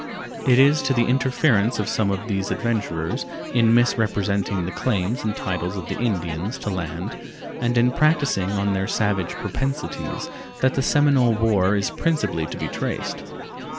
It is to the interference of some of these adventurers, in misrepresenting the claims and titles of the Indians to land and in practicing on their savage propensities, that the Seminole war is principally to be traced.